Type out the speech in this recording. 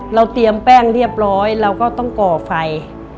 เราเตรียมแป้งเรียบร้อยเราก็ต้องก่อไฟ